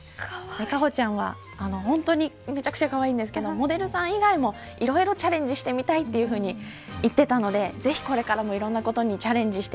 果歩ちゃんは、本当にめちゃくちゃかわいいんですけどモデルさん以外も、いろいろチャレンジしてみたいと言っていたのでぜひ、これからもいろんなことにチャレンジして